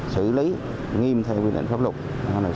xử lý nghiêm theo quy định pháp luật